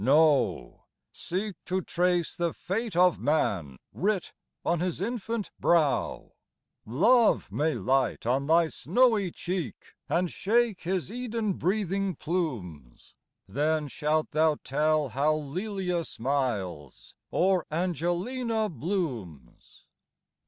No, seek to trace the fate of man Writ on his infant brow. Love may light on thy snowy cheek, And shake his Eden breathing plumes; Then shalt thou tell how Lelia smiles, Or Angelina blooms.